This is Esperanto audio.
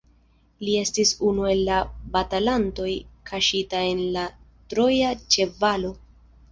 Li estis unu el la batalantoj kaŝita en la troja ĉevalo.